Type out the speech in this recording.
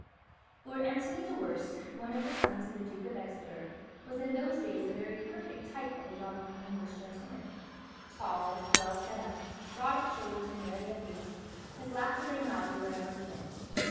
Lord Antony Dewhurst, one of the sons of the Duke of Exeter, was in those days a very perfect type of a young English gentleman—tall, well set up, broad of shoulders and merry of face, his laughter rang loudly wherever he went.